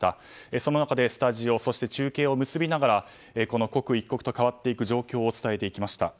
その中でスタジオ、中継を結びながら刻一刻と変わっていく状況を伝えてきました。